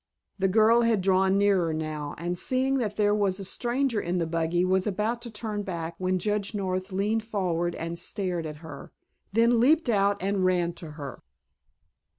The girl had drawn nearer now, and seeing that there was a stranger in the buggy was about to turn back when Judge North leaned forward and stared at her, then leaped out and ran to her.